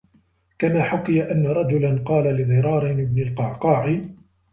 كَمَا حُكِيَ أَنَّ رَجُلًا قَالَ لِضِرَارِ بْنِ الْقَعْقَاعِ